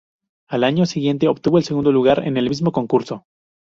Al año siguiente, obtuvo el segundo lugar en el mismo concurso.